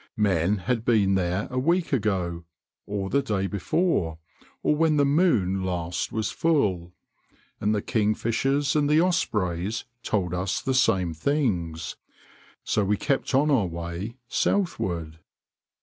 Men had been there a week ago, or the day before, or when the moon last was full. And the kingfishers and the ospreys told us the same things. So we kept on our way southward.